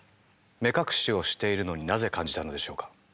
目隠しをしているのになぜ感じたのでしょうか？